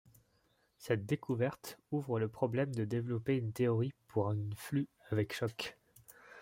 Cette découverte ouvre le problème de développer une théorie pour une flux avec chocs.